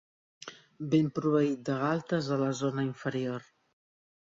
Ben proveït de galtes a la zona inferior.